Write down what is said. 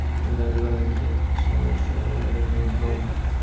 তিনি দাবী করেন যে খ্রিস্টধর্মের ঈশ্বর হল এক ধরনের বিভ্রম।